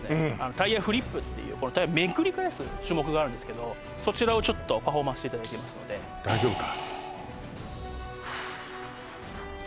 タイヤフリップっていうこのタイヤめくり返す種目があるんですけどそちらをちょっとパフォーマンスしていただけますので大丈夫か？